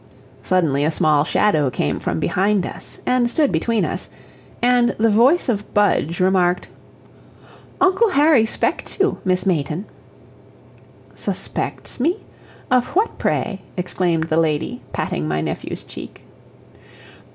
Suddenly a small shadow came from behind us and stood between us, and the voice of Budge remarked: "Uncle Harry 'spects you, Miss Mayton." "Suspects me? of what, pray?" exclaimed the lady, patting my nephew's cheek.